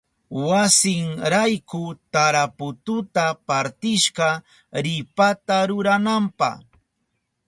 Wasinrayku tarapututa partishka ripata rurananpa.